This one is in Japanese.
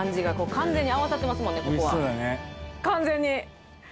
完全に。